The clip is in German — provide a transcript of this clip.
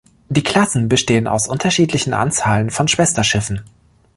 Die Klassen bestehen aus unterschiedlichen Anzahlen von Schwesterschiffen.